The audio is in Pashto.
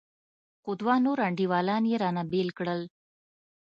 خو دوه نور انډيوالان يې رانه بېل کړل.